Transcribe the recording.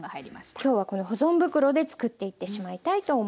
今日はこの保存袋でつくっていってしまいたいと思います。